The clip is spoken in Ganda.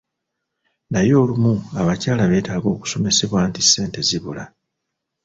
Naye olumu abakyala betaaga kusomesebwa nti ssente zibula.